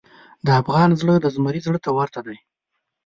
د افغان زړه د زمري زړه ته ورته دی.